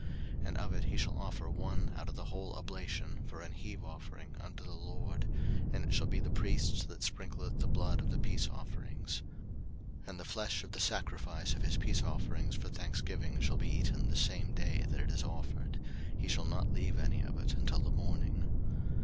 03:007:014 And of it he shall offer one out of the whole oblation for an heave offering unto the LORD, and it shall be the priest's that sprinkleth the blood of the peace offerings. 03:007:015 And the flesh of the sacrifice of his peace offerings for thanksgiving shall be eaten the same day that it is offered; he shall not leave any of it until the morning.